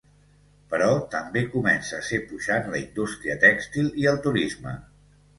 Però també comença a ser puixant la indústria tèxtil i el turisme.